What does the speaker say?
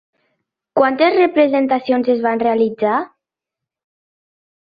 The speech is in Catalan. Quantes representacions es van realitzar?